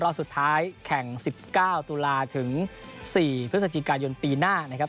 สุดท้ายแข่ง๑๙ตุลาถึง๔พฤศจิกายนปีหน้านะครับ